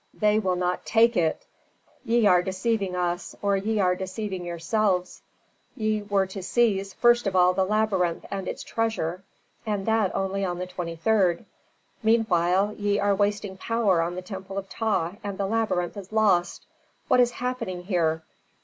"They will not take it! Ye are deceiving us, or ye are deceiving yourselves. Ye were to seize, first of all, the labyrinth and its treasure, and that only on the 23d. Meanwhile ye are wasting power on the temple of Ptah, and the labyrinth is lost. What is happening here?